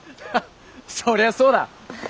そりゃそうだ。